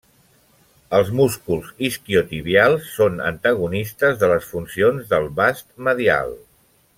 Els músculs isquiotibials són antagonistes de les funcions del vast medial.